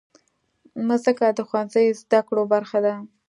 مځکه د ښوونځي زدهکړو برخه ده.